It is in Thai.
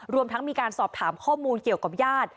รวมทั้งมีการสอบถามข้อมูลเกี่ยวกับญาติ